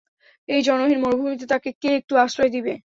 এই জনহীন মরুভূমিতে তাকে কে একটু আশ্রয় দিবে?